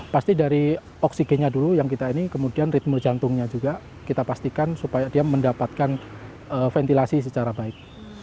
pasti dari oksigennya dulu yang kita ini kemudian ritme jantungnya juga kita pastikan supaya dia mendapatkan ventilasi secara baik